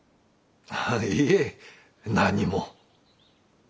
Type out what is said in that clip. いえ何も。